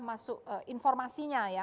masuk informasinya ya